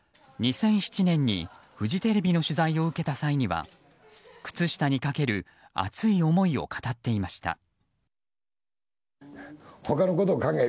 ２００７年にフジテレビの取材を受けた際には靴下にかける熱い思いを語っていました。